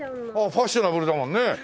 ファッショナブルだもんね。